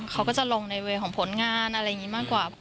เขาก็จะลงในเวย์ของผลงานอะไรอย่างนี้มากกว่า